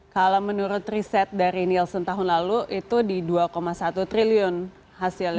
kalau menurut riset dari nielsen tahun lalu itu di dua satu triliun hasilnya